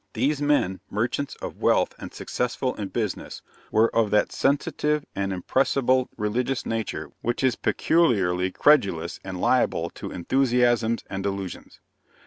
These men, merchants of wealth and successful in business, were of that sensitive and impressible religious nature which is peculiarly credulous and liable to enthusiasms and delusions.